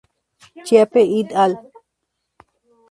Chiappe "et al.